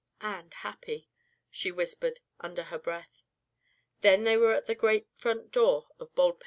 "And happy," she whispered under her breath. They were then at the great front door of Baldpate Inn.